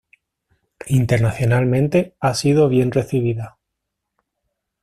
Internacionalmente, ha sido bien recibida.